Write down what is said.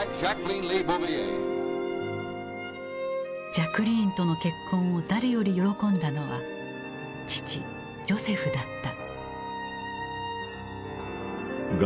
ジャクリーンとの結婚を誰より喜んだのは父ジョセフだった。